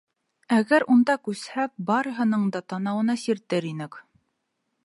Әгәр унда күсһәк, барыһының да танауына сиртер инек!